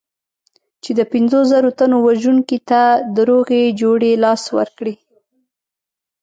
چې د پنځو زرو تنو وژونکي ته د روغې جوړې لاس ورکړي.